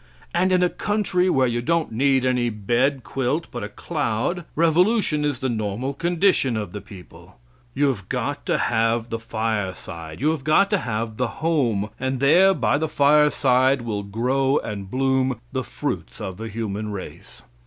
And in a country where you don't need any bed quilt but a cloud, revolution is the normal condition of the people. You have got to have the fireside; you have got to have the home, and there by the fireside will grow and bloom the fruits of the human race.